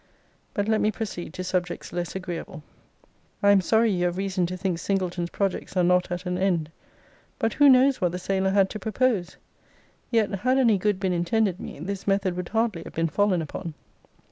But let me proceed to subjects less agreeable. I am sorry you have reason to think Singleton's projects are not at an end. But who knows what the sailor had to propose? Yet had any good been intended me, this method would hardly have been fallen upon.